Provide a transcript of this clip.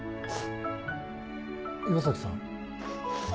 岩崎さん？